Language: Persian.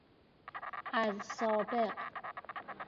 از سابق